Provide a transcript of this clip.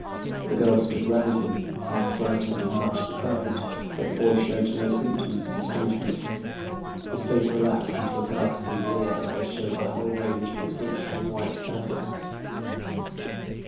The girls stood round him, half frightened and much surprised, but the boy showed no symptoms of astonish ment. His face relaxed into a ghastly leer, which showed the whole range of his glittering white fangs.